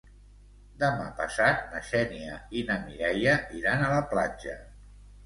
Demà passat na Xènia i na Mireia iran a la platja.